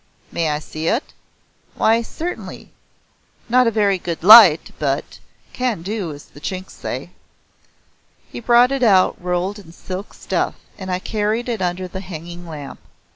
"May I see it?" "Why certainly. Not a very good light, but can do," as the Chinks say. He brought it out rolled in silk stuff and I carried it under the hanging lamp.